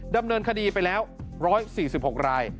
ดำเนินคดีไปแล้ว๑๔๖ราย